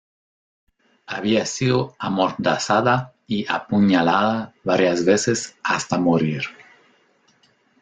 Había sido amordazada y apuñalada varias veces hasta morir.